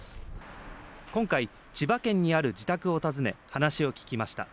今回、千葉県にある自宅を訪ね話を聞きました。